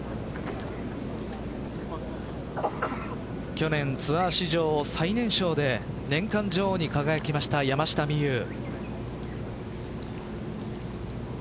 去年ツアー史上最年少で年間女王に輝きました山下美夢有。